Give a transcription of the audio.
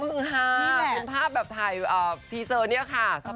คุณภาพแบบถ่ายทีเซอร์นี้ค่ะสปอร์ตนะคะ